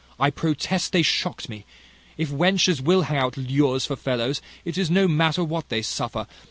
I protest they shocked me. If wenches will hang out lures for fellows, it is no matter what they suffer.